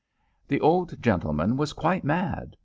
The old gentleman was quite mad.